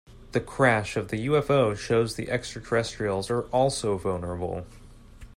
The crash of the UFO shows that extraterrestrials are also vulnerable.